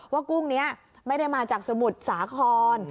กุ้งนี้ไม่ได้มาจากสมุทรสาคร